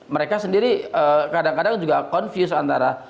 mereka sendiri kadang kadang juga confused antara